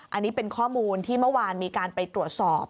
อันนี้เป็นข้อมูลที่เมื่อวานมีการไปตรวจสอบ